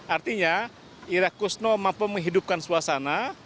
artinya ira kusno mampu menghidupkan suasana